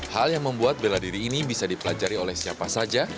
hal yang membuat bela diri ini bisa dipelajari oleh siapa saja